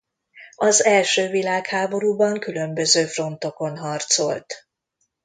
Az első világháborúban különböző frontokon harcolt.